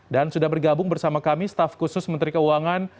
dan sudah bergabung bersama kami staff khusus menteri keuangan